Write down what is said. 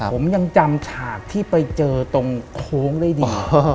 ผมยังจำฉากที่ไปเจอตรงโค้งได้ดี